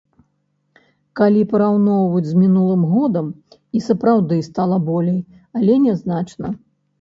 Калі параўноўваць з мінулым годам, і сапраўды стала болей, але не значна.